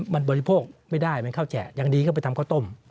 มันบริโภคไม่ได้มันเจอเลยอย่างดีก็ไปทำกาวต้ม